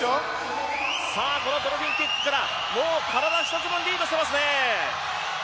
ドルフィンキックから、もう体１つ分リードしていますね。